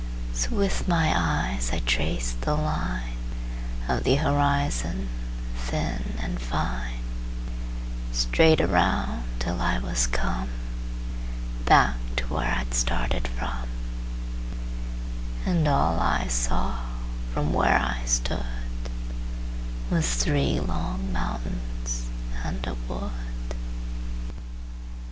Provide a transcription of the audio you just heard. So with my eyes I traced the lineOf the horizon, thin and fine, Straight around till I was comeBack to where I'd started from; And all I saw from where I stoodWas three long mountains and a wood.